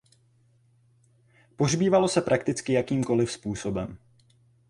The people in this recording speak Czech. Pohřbívalo se prakticky jakýmkoliv způsobem.